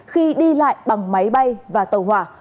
khi đi lại bằng máy bay và tàu hỏa